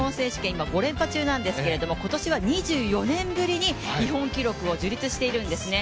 今、５連覇中ですけど今年は、２４年ぶりに日本記録を樹立しているんですね。